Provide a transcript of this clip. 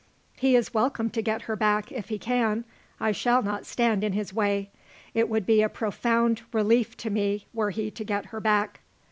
"He is welcome to get her back if he can. I shall not stand in his way. It would be a profound relief to me were he to get her back."